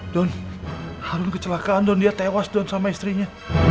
don harun kecelakaan don dia tewas don sama istrinya